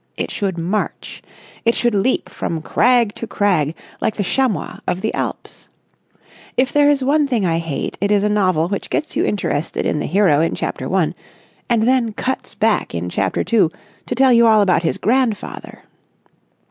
It should march. It should leap from crag to crag like the chamois of the Alps. If there is one thing I hate, it is a novel which gets you interested in the hero in chapter one and then cuts back in chapter two to tell you all about his grandfather.